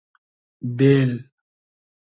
بېل